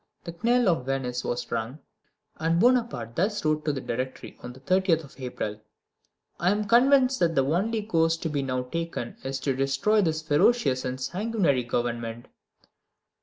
The knell of Venice was rung; and Bonaparte thus wrote to the Directory on the 30th of April: "I am convinced that the only course to be now taken is to destroy this ferocious and sanguinary Government."